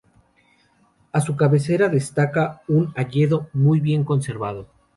A su cabecera destaca un hayedo muy bien conservado.